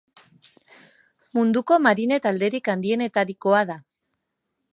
Munduko marine talderik handienetakoa da.